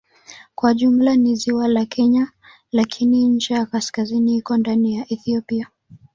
Kwa jumla ni ziwa la Kenya lakini ncha ya kaskazini iko ndani ya Ethiopia.